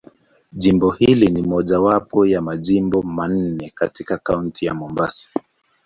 Jimbo hili ni mojawapo ya Majimbo manne katika Kaunti ya Mombasa.